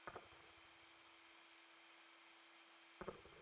তাঁদের পরিবারের সবাই মিলে কামনা করছেন তাঁর ভালো খেলা যেন অব্যাহত থাকে।